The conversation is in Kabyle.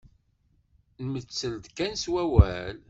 Nmettel-d kan s wawal.